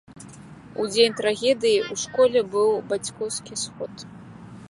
У дзень трагедыі у школе быў бацькоўскі сход.